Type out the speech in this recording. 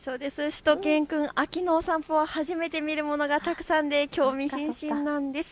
しゅと犬くん、秋の散歩は初めて見るものがたくさんで興味津々なんです。